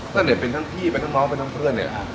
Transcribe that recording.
ก็เนี่ยเป็นทั้งพี่เป็นทั้งน้องเป็นทั้งเพื่อนเนี่ย